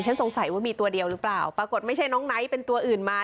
สงสัยว่ามีตัวเดียวหรือเปล่าปรากฏไม่ใช่น้องไนท์เป็นตัวอื่นมา